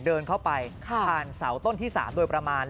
เดินเข้าไปผ่านเสาต้นที่๓โดยประมาณ